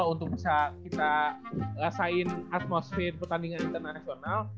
untuk bisa kita rasain atmosfer pertandingan internasional